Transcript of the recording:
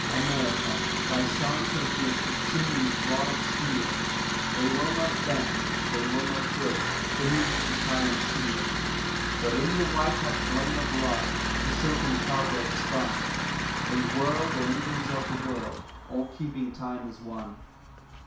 America, thy sons are knit with sinews wrought of steel, They will not bend, they will not break, beneath the tyrant's heel; But in the white hot flame of love, to silken cobwebs spun, They whirl the engines of the world, all keeping time as one.